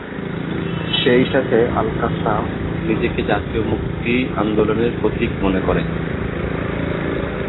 সেই সাথে আল-কাসসাম নিজেকে জাতীয় মুক্তি আন্দোলনের প্রতীক মনে করে।